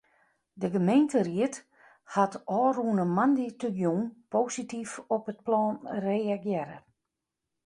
De gemeenteried hat ôfrûne moandeitejûn posityf op it plan reagearre.